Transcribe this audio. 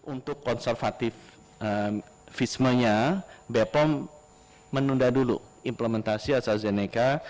untuk konservatif vismenya bepom menunda dulu implementasi astrazeneca